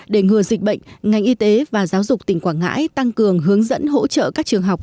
để ngừa dịch bệnh ngành y tế và giáo dục tỉnh quảng ngãi tăng cường hướng dẫn hỗ trợ các trường học